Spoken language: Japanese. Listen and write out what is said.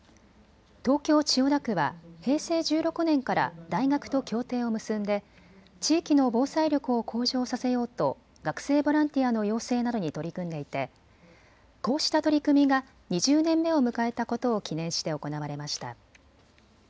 東京千代田区は平成１６年から大学と協定を結んで地域の防災力を向上させようと学生ボランティアの養成などに取り組んでいてこうした取り組みが２０年目を迎えたことを記念して行われました。